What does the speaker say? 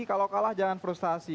kalau kalah jangan frustasi